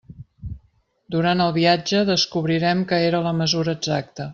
Durant el viatge descobrirem que era la mesura exacta.